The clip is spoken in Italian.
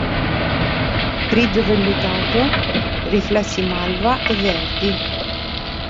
Grigio vellutato, riflessi malva e verdi.